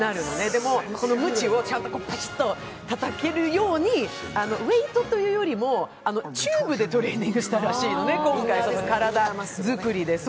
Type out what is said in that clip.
でも、このムチをパチッとたたけるように、ウエイトというよりも、チューブでトレーニングしたらしいのね、今回、体作りで。